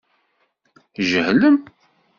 Tjehlem.